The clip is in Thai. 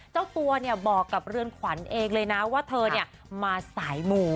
เจ้าตัวบอกกับเรือนขวัญเองเลยนะว่าเธอมาสายหมู่